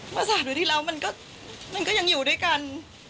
เมื่อ๓วันที่แล้วมันก็ยังอยู่ด้วยกัน